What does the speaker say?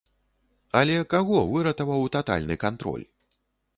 Але каго выратаваў татальны кантроль?